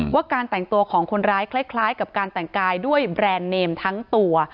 ว่าการแต่งตัวของคนร้ายคล้ายกับการแต่งกายด้วยแบรนด์เนมทั้งตัว